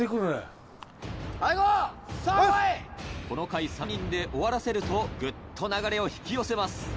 この回３人で終わらせるとグッと流れを引き寄せます。